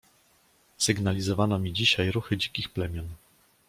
"„Sygnalizowano mi dzisiaj ruchy dzikich plemion."